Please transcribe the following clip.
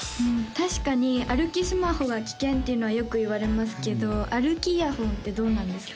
確かに歩きスマホは危険っていうのはよく言われますけど歩きイヤホンってどうなんですか？